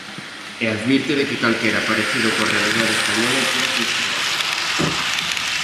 E advirte de que "calquera parecido coa realidade española é pura coincidencia".